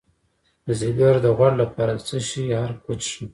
د ځیګر د غوړ لپاره د څه شي عرق وڅښم؟